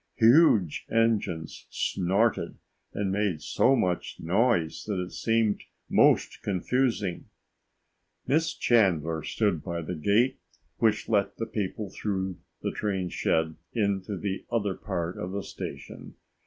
Huge engines snorted and made so much noise that it seemed most confusing. Miss Chandler stood by the gate which let the people through from the train shed into the other part of the station.